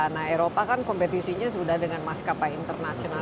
nah eropa kan kompetisinya sudah dengan maskapai internasional